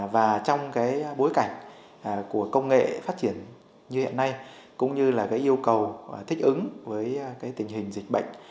và trong cái bối cảnh của công nghệ phát triển như hiện nay cũng như là cái yêu cầu thích ứng với cái tình hình dịch bệnh